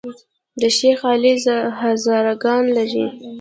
د شیخ علي هزاره ګان لري